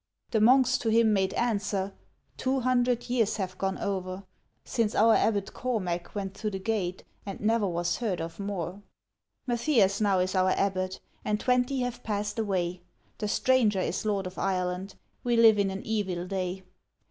The monks to him made answer, 'Two hundred years have gone o'er, Since our Abbot Cormac went through the gate, and never was heard of more. Matthias now is our Abbot, and twenty have pass'd away. The stranger is lord of Ireland; we live in an evil day.'